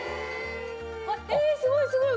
えすごいすごい！